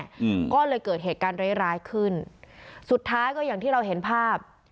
อืมก็เลยเกิดเหตุการณ์ร้ายร้ายขึ้นสุดท้ายก็อย่างที่เราเห็นภาพ